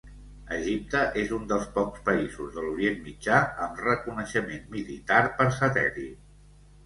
Egipte és un dels pocs països de l'Orient Mitjà amb reconeixement militar per satèl·lit.